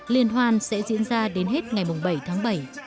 liên hoan sẽ diễn ra đến hết ngày bảy tháng bảy